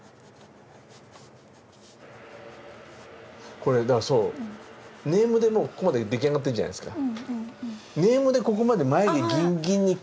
これネームでもうここまで出来上がってるじゃないですか。